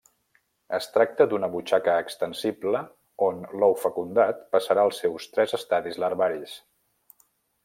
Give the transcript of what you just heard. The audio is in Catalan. Es tracta d'una butxaca extensible on l'ou fecundat passarà els seus tres estadis larvaris.